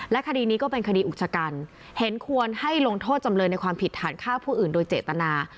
คดีนี้ก็เป็นคดีอุกชกันเห็นควรให้ลงโทษจำเลยในความผิดฐานฆ่าผู้อื่นโดยเจตนา